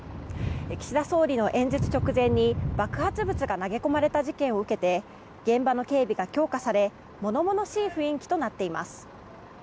岸田総理の演説直前に爆発物が投げ込まれた事件を受けて現場の警備が強化され物々しい雰囲気となっています。